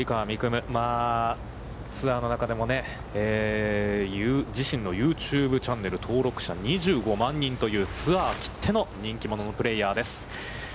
夢、ツアーの中でも自身のユーチューブチャンネル登録者数が２５万人というツアー切っての人気者のプレーヤーです。